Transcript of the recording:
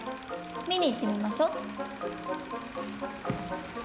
見に行ってみましょう。